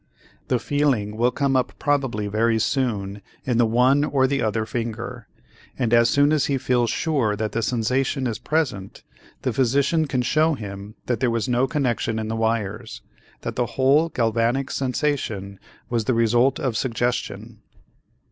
The feeling will come up probably very soon in the one or the other finger, and as soon as he feels sure that the sensation is present, the physician can show him that there was no connection in the wires, that the whole galvanic sensation was the result of suggestion.